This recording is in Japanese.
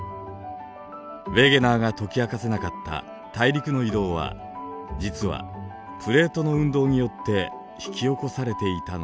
ウェゲナーが解き明かせなかった大陸の移動は実はプレートの運動によって引き起こされていたのです。